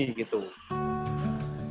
kepala kepala kepala